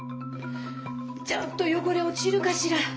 ちゃんとよごれおちるかしら。